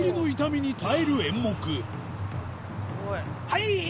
はい！